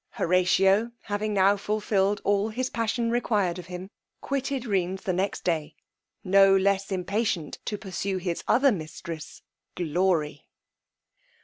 Horatio having now fulfilled all his passion required of him, quitted Rheines the next day, no less impatient to pursue his other mistress, glory!